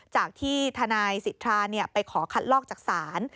จากที่ทนายสิทธาไปขอคัดลอกจากศาล